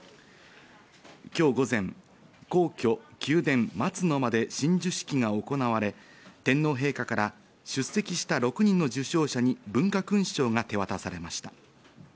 今日午前、皇居・宮殿「松の間」で親授式が行われ、天皇陛下から、出席した６人の受章者に文化勲章が手渡されました。